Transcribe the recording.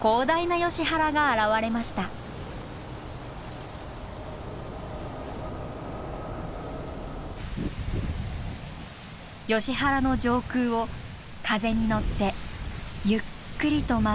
ヨシ原の上空を風に乗ってゆっくりと舞う鳥がいます。